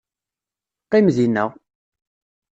Qqim dinna!